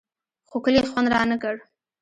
خو کلي خوند رانه کړ.